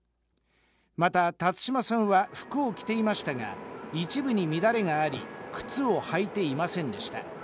また辰島さんは服を着ていましたが、一部に乱れがあり、靴を履いていませんでした。